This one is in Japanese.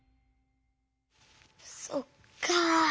そっか。